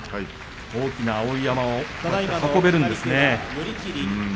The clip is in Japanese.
大きな碧山を運べるんですね。